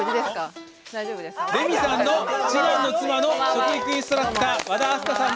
レミさんの次男の妻の食育インストラクター